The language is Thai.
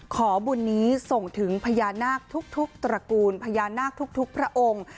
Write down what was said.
ขอบุญนี้ส่งถึงพญานาคทุกตระกูลพญานาคทุกพระองค์